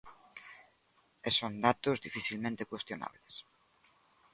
E son datos dificilmente cuestionables.